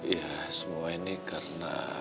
ya semua ini karena